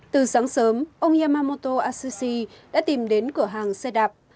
từ sáng sớm ông yamamoto asushi đã tìm đến cửa hàng xe đạp